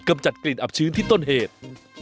จัดกลิ่นอับชื้นที่ต้นเหตุ